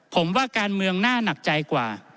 ผมว่าการเมืองน่าหนักใจกว่า